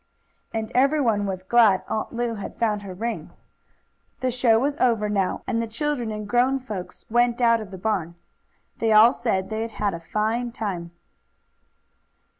And everyone was glad Aunt Lu had found her ring. The show was over now, and the children and grown folks went out of the barn. They all said they had had a fine time.